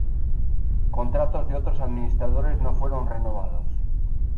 Contratos de otros administradores no fueron renovados.